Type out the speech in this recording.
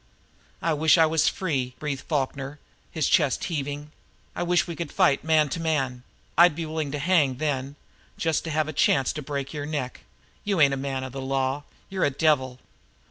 "I wish I was free," breathed Falkner, his chest heaving. "I wish we could fight, man t' man. I'd be willing to hang then, just to have the chance to break your neck. You ain't a man of the Law. You're a devil."